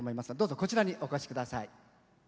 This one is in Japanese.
こちらにお越しください。